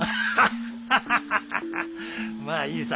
まあいいさ。